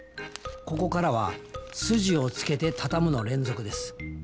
ここからは筋をつけて畳むの連続です。